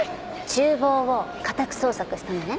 厨房を家宅捜索したのね。